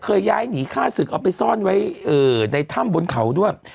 ย้ายหนีฆ่าศึกเอาไปซ่อนไว้ในถ้ำบนเขาด้วย